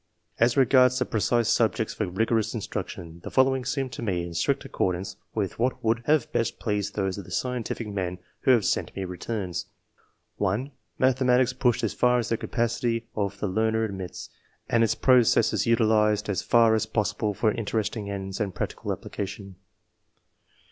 As regards the precise subjects for rigorous instruction, the following seem to me in strict accordance with what would have best pleased those of the scientific men who have sent me returns :— 1. Mathematics pushed as far as the capacity of the learner admits, and its pro cesses utilized as far as possible for interesting ends and practical application.